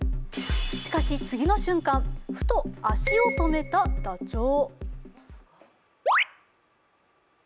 しかし、次の瞬間、ふと足を止めたダチョウ。